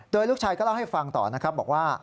โดยลูกชายก็เล่าให้ฟังต่อนะครับบอกว่า